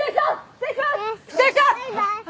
失礼します！